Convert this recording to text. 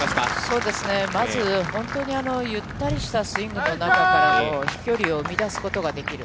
そうですね、まず本当に、ゆったりしたスイングの中からの飛距離を生み出すことができる。